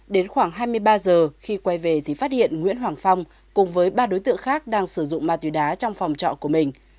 đến khoảng hai mươi ba giờ khi quay về thì phát hiện nguyễn hoàng phong cùng với ba đối tượng khác đang sử dụng ma túy đá trong phòng trọ của mình